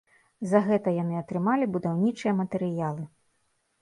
За гэта яны атрымалі будаўнічыя матэрыялы.